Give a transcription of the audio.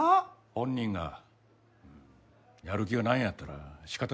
本人がやる気がないんやったら仕方ねえやろ。